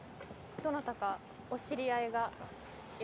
どなたかお知り合いが？